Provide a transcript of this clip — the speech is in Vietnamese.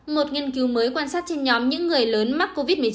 một nghiên cứu mới quan sát trên nhóm những người lớn mắc covid một mươi chín